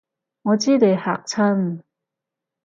我知你嚇親